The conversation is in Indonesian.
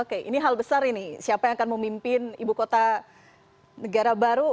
oke ini hal besar ini siapa yang akan memimpin ibu kota negara baru